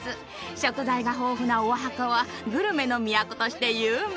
食材が豊富なオアハカはグルメの都として有名。